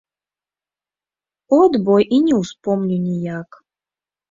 От бо і не ўспомню ніяк.